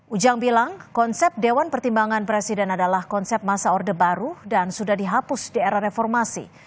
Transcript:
ujang bilang konsep dewan pertimbangan presiden adalah konsep masa orde baru dan sudah dihapus di era reformasi